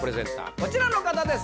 こちらの方です